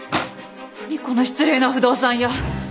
何この失礼な不動産屋！